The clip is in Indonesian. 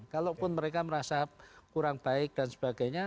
kalaupun mereka merasa kurang baik dan sebagainya